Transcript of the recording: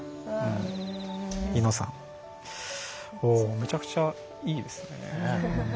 むちゃくちゃいいですね。